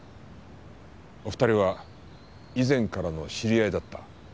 お二人は以前からの知り合いだった。